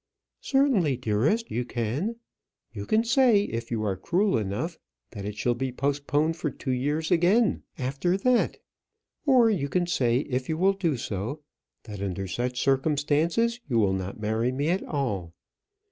"Certainly, dearest, you can. You can say, if you are cruel enough, that it shall be postponed for two years again, after that. Or you can say, if you will do so, that under such circumstances you will not marry me at all.